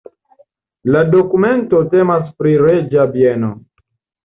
La dokumento temas pri reĝa bieno.